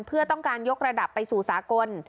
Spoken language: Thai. เพื่อต้องการยกระดับไปสู่สากล